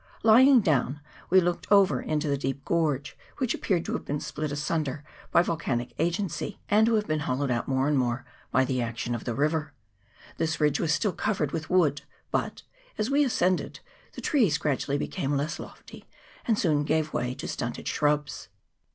Lying down, we looked over into the deep gorge, which appeared to have been split asunder by vol canic agency, and to have been hollowed out more and more by the action of the river. This ridge was still covered with wood; but, as we ascended, the trees gradually became less lofty, and soon gave way to stunted shrubs.